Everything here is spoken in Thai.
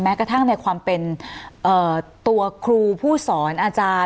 กระทั่งในความเป็นตัวครูผู้สอนอาจารย์